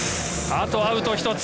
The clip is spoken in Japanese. あとアウト１つ。